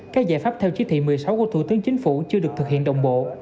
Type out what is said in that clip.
các giải pháp theo chí thị một mươi sáu của thủ tướng chính phủ chưa được thực hiện đồng bộ